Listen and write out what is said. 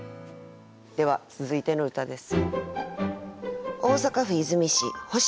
では続いての歌です。